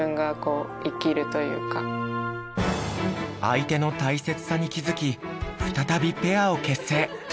相手の大切さに気づき再びペアを結成。